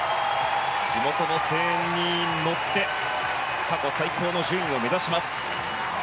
地元の声援に乗って過去最高の順位を目指します。